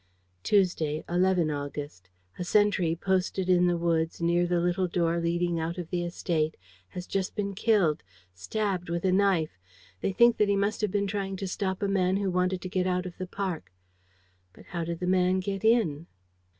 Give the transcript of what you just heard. "Tuesday, 11 August. "A sentry posted in the woods, near the little door leading out of the estate, has just been killed stabbed with a knife. They think that he must have been trying to stop a man who wanted to get out of the park. But how did the man get in?